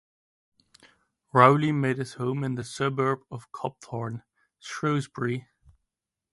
Rowley made his home in the suburb of Copthorne, Shrewsbury.